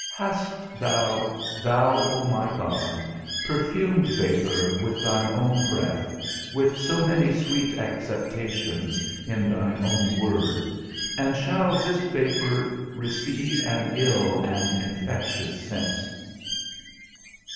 _ Hast thou, thou, O my God, perfumed vapour with thine own breath, with so many sweet acceptations in thine own word, and shall this vapour receive an ill and infectious sense?